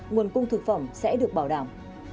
nguồn cung thực phẩm sẽ được bảo đảm